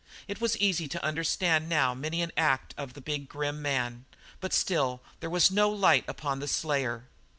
It was easy to understand now many an act of the big grim man; but still there was no light upon the slayer.